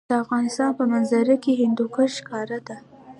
د افغانستان په منظره کې هندوکش ښکاره ده.